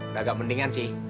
udah agak mendingan sih